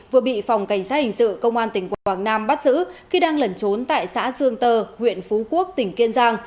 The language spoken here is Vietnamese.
vừa bị phòng cảnh sát hình sự công an tỉnh quảng nam bắt giữ khi đang lẩn trốn tại xã dương tơ huyện phú quốc tỉnh kiên giang